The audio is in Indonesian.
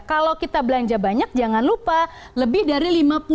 kalau kita belanja banyak jangan lupa lebih dari lima puluh